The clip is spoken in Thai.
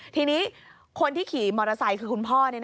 ทีนี้คนที่ขี่มอเตอร์ไซค์คือคุณพ่อ